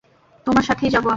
তোমার সাথেই যাব আমি।